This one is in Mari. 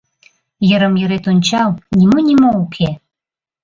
Йырым-йырет ончал — нимо-нимо уке.